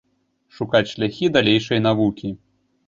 Шукаць шляхі далейшай навукі.